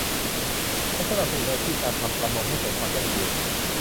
และสนับสนุนอาชีพการทำประมงให้เกิดความยั่งยืน